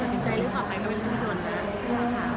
สัจสินใจเรื่องของภาพก็เป็นส่วนหนัก